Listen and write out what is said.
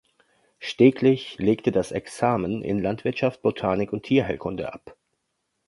Steglich legte das Examen in Landwirtschaft, Botanik und Tierheilkunde ab.